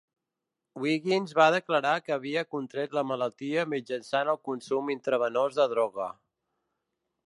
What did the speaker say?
Wiggins va declarar que havia contret la malaltia mitjançant el consum intravenós de droga.